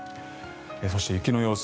そして、雪の様子